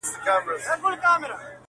و خاوند لره پیدا یې ورک غمی سو,